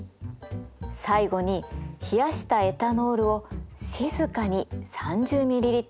最後に冷やしたエタノールを静かに３０ｍＬ加えます。